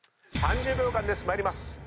３０秒間です。